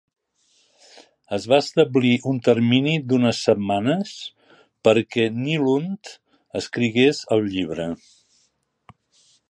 Es va establir un termini d'una setmanes perquè Nylund escrigués el llibre.